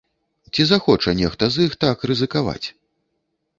Ці захоча нехта з іх так рызыкаваць?